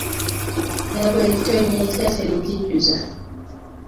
Ne bw’eritonnya etya terigijjuza.